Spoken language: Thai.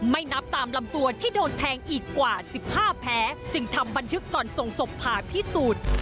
นับตามลำตัวที่โดนแทงอีกกว่า๑๕แผลจึงทำบันทึกก่อนส่งศพผ่าพิสูจน์